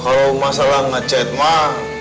kalau masalah ngechat mah